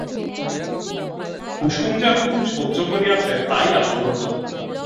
কুসুম যে এতদিন সহ্য করিয়াছে তাই আশ্চর্য।